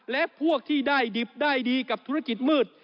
และพวกที่ได้ดิบได้ดีกับธุรกิจมืด